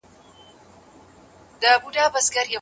انا په ډېرې پښېمانۍ سره دعا وکړه.